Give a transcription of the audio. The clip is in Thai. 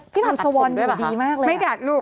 ที่นำสวนอยู่ดีมากเลยอะครับตัดผมด้วยเหรอคะไม่ดัดลูก